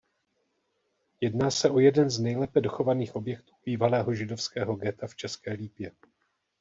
Jedná se o jeden z nejlépe dochovaných objektů bývalého židovského ghetta v České Lípě.